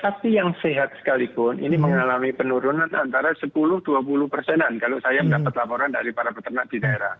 tapi yang sehat sekalipun ini mengalami penurunan antara sepuluh dua puluh persenan kalau saya mendapat laporan dari para peternak di daerah